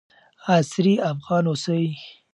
عصري افغان اوسئ.